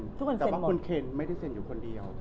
แต่ว่าคุณเคนไม่ได้เซ็นอยู่คนเดียว